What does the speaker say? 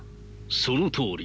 そのとおり。